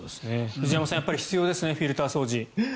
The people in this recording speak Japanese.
藤山さん、必要ですよねフィルター掃除。